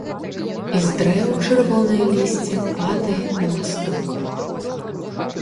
І з дрэў чырвонае лісце падае на масток.